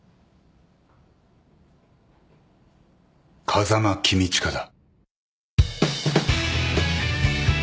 風間公親だ。